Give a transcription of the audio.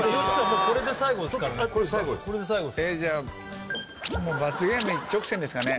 もうこれで最後ですからねえっじゃあもう罰ゲーム一直線ですかね